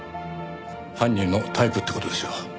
犯人のタイプって事でしょう。